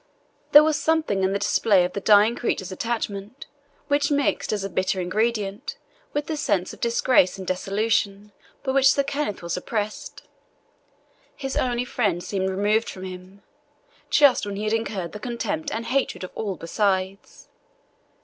There was something in the display of the dying creature's attachment which mixed as a bitter ingredient with the sense of disgrace and desolation by which Sir Kenneth was oppressed. His only friend seemed removed from him, just when he had incurred the contempt and hatred of all besides.